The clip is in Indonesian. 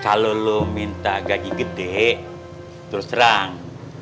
kalau lo minta gaji gede terus terang